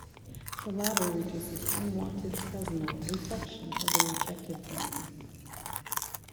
The latter reduces unwanted Fresnel reflection of the rejected beam.